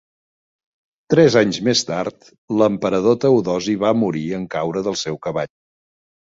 Tres anys més tard, l'emperador Teodosi va morir en caure del seu cavall.